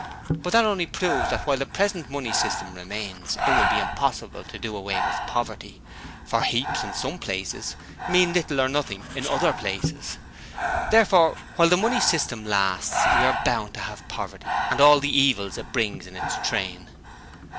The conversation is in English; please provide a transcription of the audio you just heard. But that only proves that while the present Money System remains, it will be impossible to do away with poverty, for heaps in some places mean little or nothing in other places. Therefore while the money system lasts we are bound to have poverty and all the evils it brings in its train.'